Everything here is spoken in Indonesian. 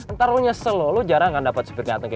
ntar lu nyesel lho lu jarang gak dapet sepi kaya gue